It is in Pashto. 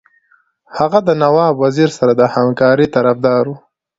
هغه د نواب وزیر سره د همکارۍ طرفدار وو.